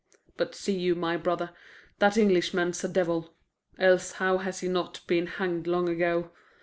"But see you, my brother, that Englishman's a devil. Else how has he not been hanged long ago?